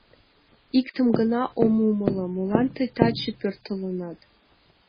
Иктым гына ом умыло, молан тый таче пӧртылынат?